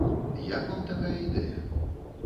Як вам такая ідэя?